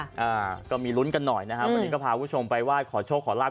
ด้าก็มีลุ้นกันหน่อยนะฮะมันเค้าพาผู้ชมไปว่าขอโชคขอราก